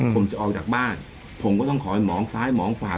ผมจะออกจากบ้านผมก็ต้องขอให้หมองซ้ายมองขวา